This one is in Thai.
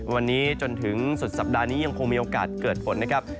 วันนี้จนถึงสุดสัปดาห์นี้ยังคงมีโอกาสเกิดฝนนะครับ